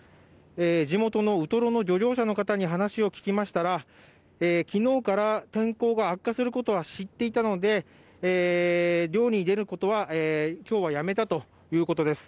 地元のウトロの漁業者の方に話を聞きましたが、昨日から天候が悪化することは知っていたので漁に出ることは今日はやめたということです。